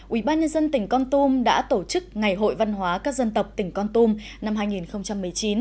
ubnd tỉnh con tum đã tổ chức ngày hội văn hóa các dân tộc tỉnh con tum năm hai nghìn một mươi chín